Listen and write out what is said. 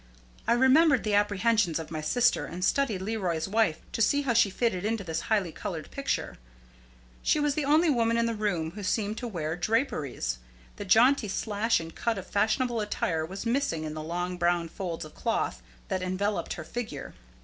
I remembered the apprehensions of my sister, and studied Leroy's wife to see how she fitted into this highly colored picture. She was the only woman in the room who seemed to wear draperies. The jaunty slash and cut of fashionable attire were missing in the long brown folds of cloth that enveloped her figure.